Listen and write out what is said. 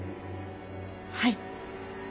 はい。